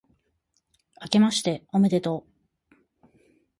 あけましておめでとう